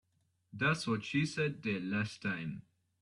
That's what she said the last time.